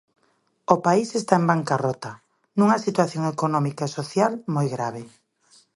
O país está en bancarrota, nunha situación económica e social moi grave.